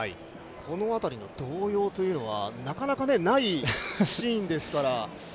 この辺りの動揺というのはなかなかないシーンですから。